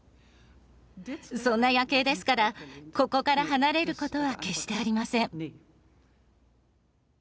そんな「夜警」ですからここから離れることは決してありません。